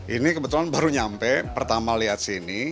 ini kebetulan baru nyampe pertama lihat sini